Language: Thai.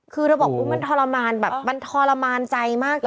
คือเธอบอกมันทรมานแบบมันทรมานใจมาก